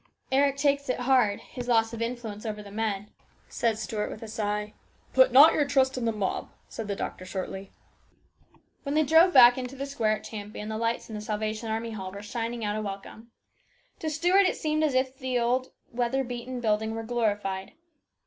" Eric takes it hard his loss of influence over the men," said Stuart with a sigh. " Put not your trust in the mob," replied the doctor shortly. When they drove back into the square at Champion the lights in the Salvation Army Hall were shining out a welcome. To Stuart it seemed as though the old weather beaten building were glorified.